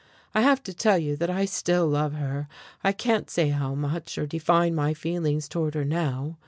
I have to tell you that I still love her I can't say how much, or define my feelings toward her now.